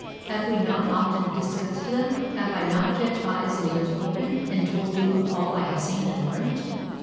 "Have we not often discussed them? Have I not kept eyes and ears open, and told you of all I have seen and learnt?